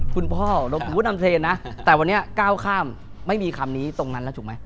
คุณพ่อนำเทรนนะแต่วันนี้ก้าวข้ามไม่มีคำนี้ตรงนั้นแล้วถูกไหม